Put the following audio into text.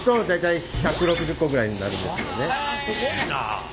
すごいな。